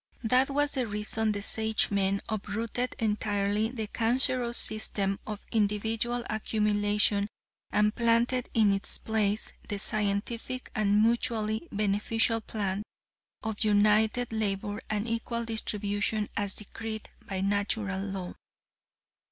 That was the reason the Sagemen uprooted entirely the cancerous system of individual accumulation and planted in its place the scientific and mutually beneficial plan of united labor and equal distribution as decreed by Natural Law.